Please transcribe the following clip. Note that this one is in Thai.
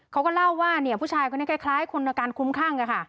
เขาก็เล่าว่าผู้ชายคนนี้คล้ายคนอาการคุ้มคลั่ง